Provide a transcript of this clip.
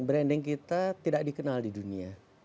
branding kita tidak dikenal di dunia